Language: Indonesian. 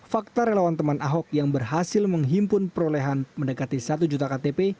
fakta relawan teman ahok yang berhasil menghimpun perolehan mendekati satu juta ktp